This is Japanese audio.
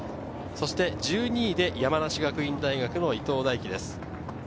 １２位で山梨学院大学の伊東大暉です。